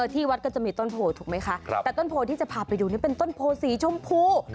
ที่วัดก็จะมีต้นโพถูกไหมคะแต่ต้นโพที่จะพาไปดูนี่เป็นต้นโพสีชมพู